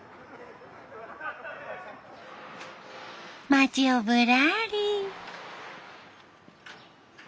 町をぶらり。